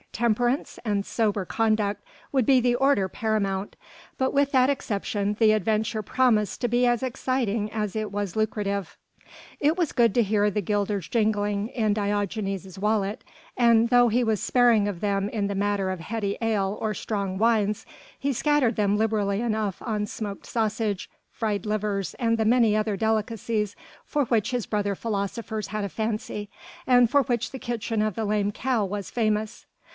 Temperance and sober conduct would be the order paramount, but with that exception the adventure promised to be as exciting as it was lucrative. It was good to hear the guilders jingling in Diogenes' wallet, and though he was sparing of them in the matter of heady ale or strong wines, he scattered them liberally enough on smoked sausage, fried livers and the many other delicacies for which his brother philosophers had a fancy and for which the kitchen of the "Lame Cow" was famous.